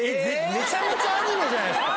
めちゃめちゃアニメじゃないですか。